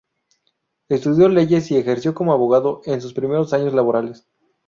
Estudió leyes y ejerció como abogado en sus primeros años laborales.